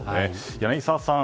柳澤さん